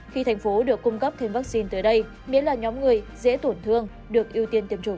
khi thành phố được cung cấp thêm vaccine tới đây miễn là nhóm người dễ tổn thương được ưu tiên tiêm chủng